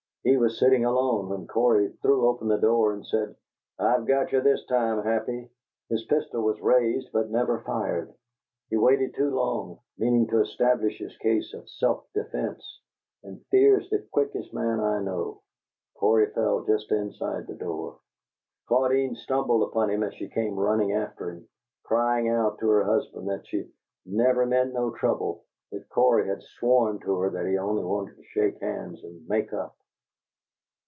He was sitting alone, when Cory threw open the door and said, 'I've got you this time, Happy!' His pistol was raised but never fired. He waited too long, meaning to establish his case of 'self defence,' and Fear is the quickest man I know. Cory fell just inside the door. Claudine stumbled upon him as she came running after him, crying out to her husband that she 'never meant no trouble,' that Cory had sworn to her that he only wanted to shake hands and 'make up.'